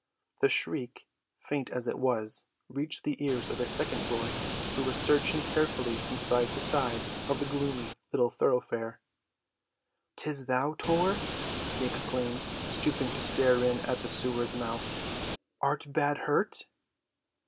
The shriek, faint as it was, reached the ears of a second boy, who was searching carefully from side to side of the gloomy little thoroughfare. "'Tis thou, Tor," he exclaimed, stooping to stare in at the sewer's mouth. "Art bad hurt?"